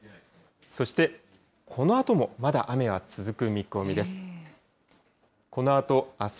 そしてこのあともまだ雨は続く見込みです。